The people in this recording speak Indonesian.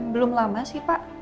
belum lama sih pak